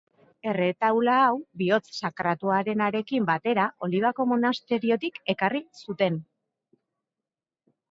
Erretaula hau, Bihotz Sakratuarenarekin batera Olibako monasteriotik ekarri zituzten.